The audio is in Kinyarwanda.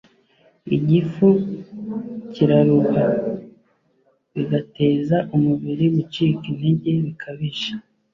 igifu kiraruha, bigateza umubiri gucika intege bikabije